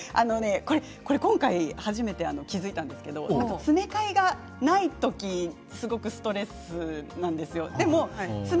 今回初めて気付いたんですが詰め替えのものがない時がすごくストレスなんです。